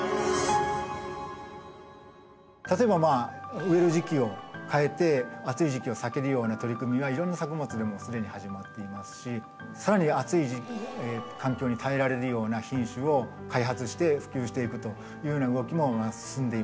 例えば植える時期を変えて暑い時期を避けるような取り組みはいろんな作物でも既に始まっていますし更に暑い環境に耐えられるような品種を開発して普及していくというような動きもまあ進んでいます。